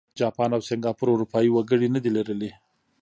جاپان او سینګاپور اروپايي وګړي نه دي لرلي.